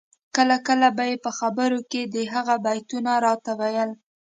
کله کله به یې په خبرو کي د هغه بیتونه راته ویل